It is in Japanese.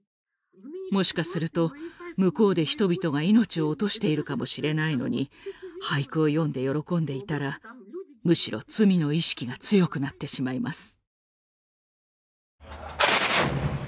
もしかすると向こうで人々が命を落としているかもしれないのに俳句を詠んで喜んでいたらむしろ罪の意識が強くなってしまいます。